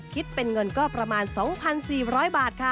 คิดเป็นเงินก็ประมาณ๒๔๐๐บาทค่ะ